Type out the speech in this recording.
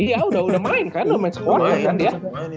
iya udah main kan udah main sekuat kan dia